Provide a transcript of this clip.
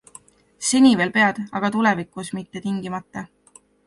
Seni veel pead, aga tulevikus mitte tingimata.